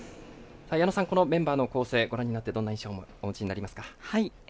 矢野さん、このメンバーの構成ご覧になってどんな印象をお持ちになりますか。